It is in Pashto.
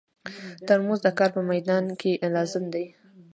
ترموز د کار په مېدان کې لازم دی.